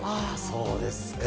そうですか。